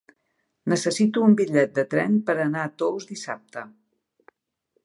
Necessito un bitllet de tren per anar a Tous dissabte.